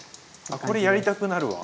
あこれやりたくなるわ。